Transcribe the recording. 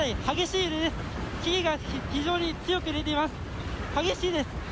激しいです。